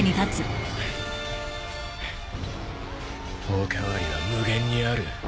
お代わりは無限にある。